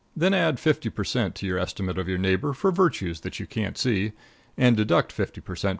Then add fifty per cent. to your estimate of your neighbor for virtues that you can't see, and deduct fifty per cent.